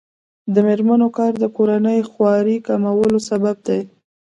د میرمنو کار د کورنۍ خوارۍ کمولو سبب دی.